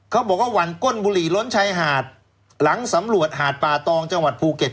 บอกว่าหวั่นก้นบุหรี่ล้นชายหาดหลังสำรวจหาดป่าตองจังหวัดภูเก็ต